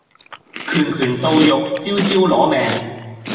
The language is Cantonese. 拳拳到肉，招招攞命